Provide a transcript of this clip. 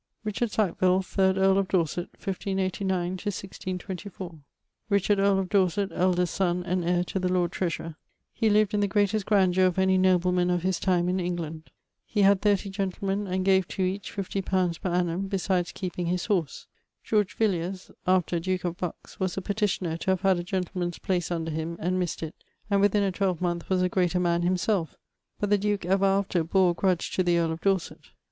=Richard Sackville=, third earl of Dorset (1589 1624). Richard, earle of Dorset (eldest son and heire to the Lord Treasurer): he lived in the greatest grandeur of any nobleman of his time in England. He had 30 gentlemen, and gave to each 50 li. per annum, besides keeping his horse. George Villiers (after, duke of Bucks) was a petioner to have had a gentleman's place under him, and miss't it, and within a 12 moneth was a greater man himselfe; but the duke ever after bore a grudge to the earl of Dorset.